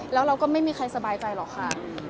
แล้วเราก็ไม่มีใครสบายใจหรอกค่ะ